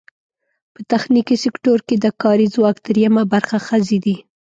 په تخنیکي سکټور کې د کاري ځواک درېیمه برخه ښځې دي.